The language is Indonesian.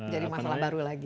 jadi masalah baru lagi